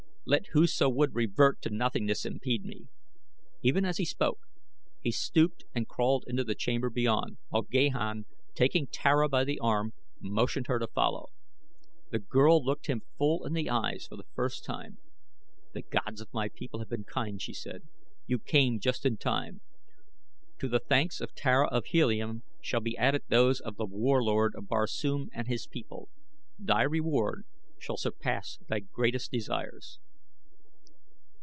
Let whoso would revert to nothingness impede me." Even as he spoke he stooped and crawled into the chamber beyond, while Gahan, taking Tara by the arm, motioned her to follow. The girl looked him full in the eyes for the first time. "The Gods of my people have been kind," she said; "you came just in time. To the thanks of Tara of Helium shall be added those of The Warlord of Barsoom and his people. Thy reward shall surpass thy greatest desires."